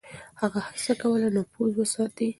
هغه هڅه کوله نفوذ وساتي.